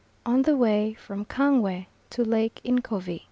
ON THE WAY FROM KANGWE TO LAKE NCOVI.